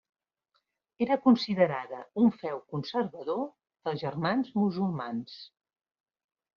Era considerada un feu conservador dels Germans Musulmans.